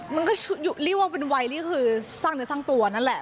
มันก็เรียกว่าเป็นไวลี่คือสร้างเนื้อสร้างตัวนั่นแหละ